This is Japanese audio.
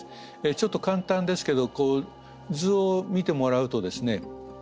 ちょっと簡単ですけど図を見てもらうとですね